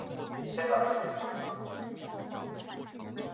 她说她认为卡瓦诺打算强奸她。